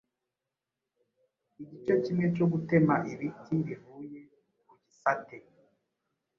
Igice kimwe cyo gutema ibiti bivuye ku gisate